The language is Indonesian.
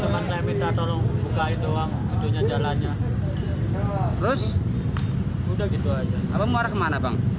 udah gitu aja apa mau kemana bang